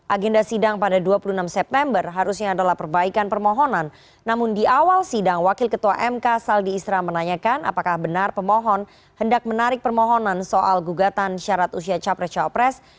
agenda sidang pada dua puluh enam september harusnya adalah perbaikan permohonan namun di awal sidang wakil ketua mk saldi isra menanyakan apakah benar pemohon hendak menarik permohonan soal gugatan syarat usia capres cawapres